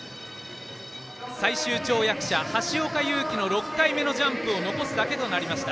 最終跳躍者橋岡優輝の６回目のジャンプを残すだけとなりました